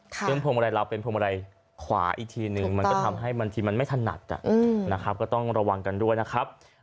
เพราะภูมิใดเป็นภูมิใดขวาอีกทีนึงมันก็ให้ทีมันไม่ถนัดต้องระวังกันด้วยนะครับ